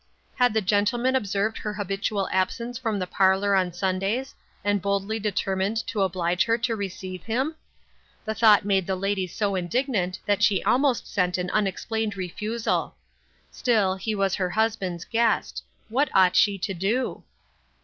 Had the gentleman observed her habitual ab sence from the parlor on Sundays, and boldly determined to oblige her to receive him ? The thought made the lady so indignant that she almost sent an unexplained refusal. Still, he was her hus band's guest. What ought she to do